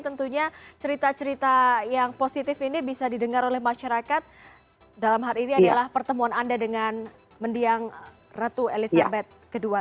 tentunya cerita cerita yang positif ini bisa didengar oleh masyarakat dalam hal ini adalah pertemuan anda dengan mendiang ratu elizabeth ii